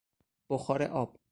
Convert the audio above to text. بخار آب